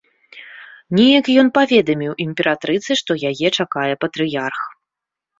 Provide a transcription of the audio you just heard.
Неяк ён паведаміў імператрыцы, што яе чакае патрыярх.